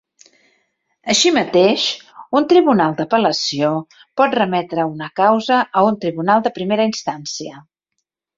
Així mateix, un tribunal d'apel·lació pot remetre una causa a un tribunal de primera instància.